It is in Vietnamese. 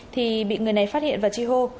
thì bị người này phát hiện và tri hô